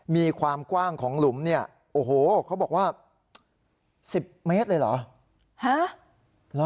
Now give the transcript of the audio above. มีความกว้างของหลุมเนี่ยโอ้โหเขาบอกว่า๑๐เมตรเลยเหรอ